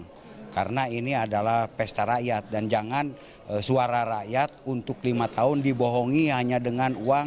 karena ini adalah pesta rakyat dan jangan suara rakyat untuk lima tahun dibohongi hanya dengan uang